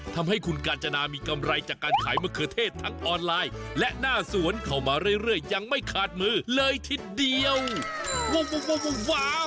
ทำให้คุณกาญจนามีกำไรจากการขายมะเขือเทศทั้งออนไลน์และหน้าสวนเข้ามาเรื่อยยังไม่ขาดมือเลยทีเดียวว้าว